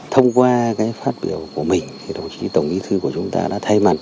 thông qua phát biểu của mình tổng bí thư nguyễn phú trọng đã thay mặt